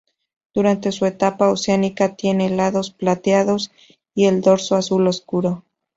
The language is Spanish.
Durante su etapa oceánica, tiene lados plateados y el dorso azul oscuro.